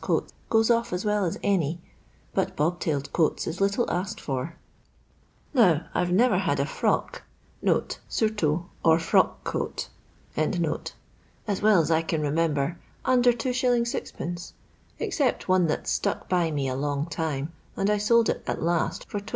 coat goes off as well as any, but bob tailed coats is little asked for. Now, I've never had a frock (surtout or frock coat), as well as I can remember, under 2$, Bd., except one that stuck by me a long time, and I sold it at last for 20d.